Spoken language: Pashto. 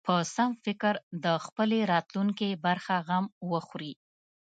په سم فکر د خپلې راتلونکې برخه غم وخوري.